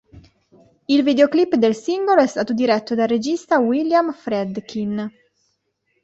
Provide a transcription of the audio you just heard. Il videoclip del singolo è stato diretto dal regista William Friedkin.